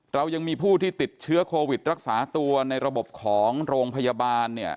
เรายังมีผู้ที่ติดเชื้อโควิดรักษาตัวในระบบของโรงพยาบาลเนี่ย